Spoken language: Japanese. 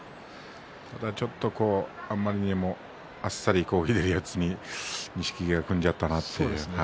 ただ、ちょっとあまりにもあっさりと左四つに錦木が組んでしまったなと。